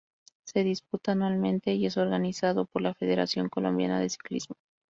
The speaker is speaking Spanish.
Se disputa anualmente y es organizado por la Federación Colombiana de Ciclismo.